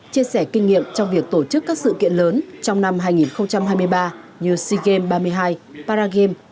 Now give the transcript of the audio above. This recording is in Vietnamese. chia sẻ kinh nghiệm trong việc tổ chức các sự kiện lớn trong năm hai nghìn hai mươi ba như sea games ba mươi hai paragame